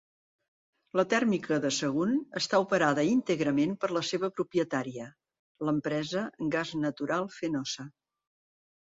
La tèrmica de Sagunt està operada íntegrament per la seva propietària, l'empresa Gas Natural Fenosa.